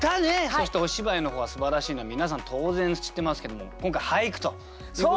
そしてお芝居の方はすばらしいのは皆さん当然知ってますけども今回俳句ということ。